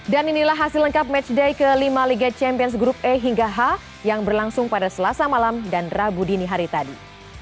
dan inilah hasil lengkap matchday kelima liga champions grup e hingga h yang berlangsung pada selasa malam dan rabu dini hari tadi